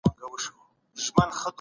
سرمایه داري نظام باید اصلاح سي.